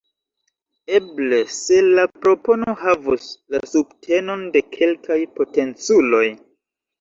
Eble - se la propono havus la subtenon de kelkaj potenculoj.